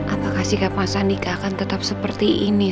apakah sikap mas andika akan tetap seperti ini